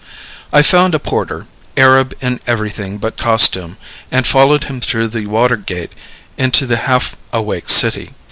I found a porter, Arab in everything but costume, and followed him through the water gate into the half awake city.